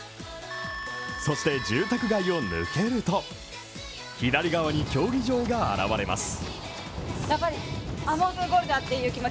そして住宅街を抜けると左側に競技場が現れます。